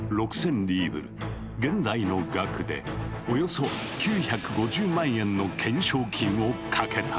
リーブル現代の額でおよそ９５０万円の懸賞金をかけたのだ。